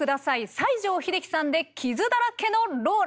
西城秀樹さんで「傷だらけのローラ」。